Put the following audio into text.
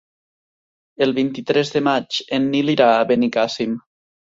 El vint-i-tres de maig en Nil irà a Benicàssim.